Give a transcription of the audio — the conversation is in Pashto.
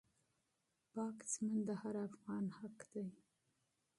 پاک ژوند د هر افغان حق دی.